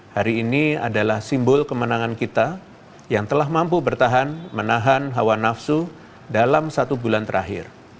hari ini adalah simbol kemenangan kita yang telah mampu bertahan menahan hawa nafsu dalam satu bulan terakhir